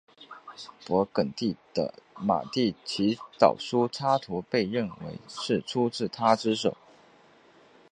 勃艮第的马丽的祈祷书插图被认为是出自他之手。